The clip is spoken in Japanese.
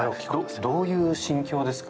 どういう心境ですか。